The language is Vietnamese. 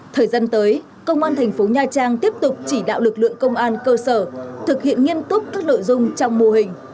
thời gian tới công an thành phố nha trang tiếp tục chỉ đạo lực lượng công an cơ sở thực hiện nghiêm túc các nội dung trong mô hình